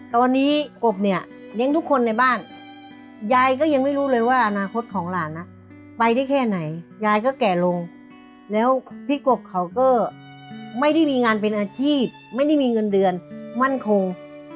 ตอนนี้กบเนี่ยเลี้ยงทุกคนในบ้านยายก็ยังไม่รู้เลยว่าอนาคตของหลานไปได้แค่ไหนยายก็แก่ลงแล้วพี่กบเขาก็ไม่ได้มีงานเป็นอาชีพไม่ได้มีเงินเดือนมั่นคง